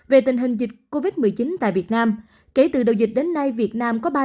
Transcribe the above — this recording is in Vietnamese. về tình hình dịch covid một mươi chín tại việt nam kể từ đầu dịch đến nay việt nam có ba ba trăm hai mươi một dịch